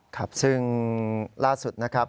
ครับซึ่งล่าสุดนะครับ